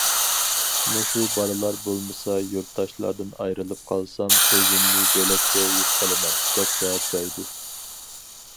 مۇشۇ بالىلار بولمىسا، يۇرتداشلاردىن ئايرىلىپ قالسام، ئۆزۈمنى بۆلەكچە ھېس قىلىمەن، دەپ جاۋاب بەردى.